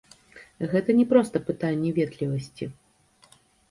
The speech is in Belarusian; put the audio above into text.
Гэта не проста пытанне ветлівасці.